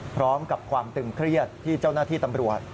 พร้อมกับความตึงเครียดที่เจ้าหน้าที่ตำรวจ